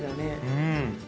うん。